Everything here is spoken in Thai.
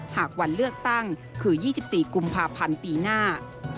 หากวันเลือกตั้งคือ๒๔กุมภาพันธ์ปีหน้า